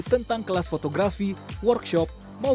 tentang kepentingan dan keuntungan